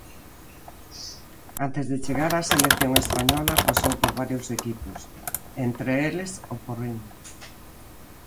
Antes de chegar á selección española, pasou por varios equipos, entre eles o Porriño.